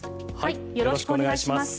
よろしくお願いします。